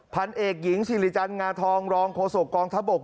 พันเอกหญิงสิริจันทร์งาทองรองโฆษกองทบก